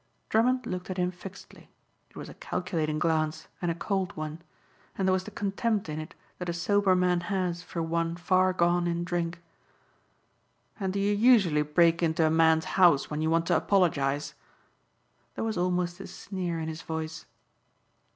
Drummond looked at him fixedly. It was a calculating glance and a cold one. And there was the contempt in it that a sober man has for one far gone in drink. "And do you usually break into a man's house when you want to apologize?" There was almost a sneer in his voice.